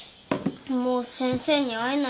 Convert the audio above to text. もう先生に会えないの？